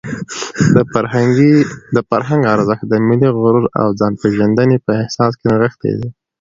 د فرهنګ ارزښت د ملي غرور او د ځانپېژندنې په احساس کې نغښتی دی.